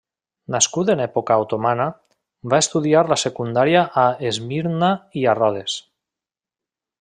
Nascut en època otomana, va estudiar la secundària a Esmirna i a Rodes.